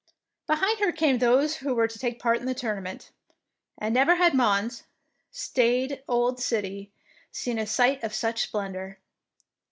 Behind her came those who were to take part in the tournament ; and never had Mons, staid old city, seen a sight of such splendour.